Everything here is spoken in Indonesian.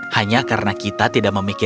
hanya karena kita tidak memikirkan diri